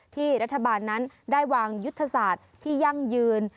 ที่รัฐบาลนั้นได้วางยุทธศาสตร์ที่ยั่งยืน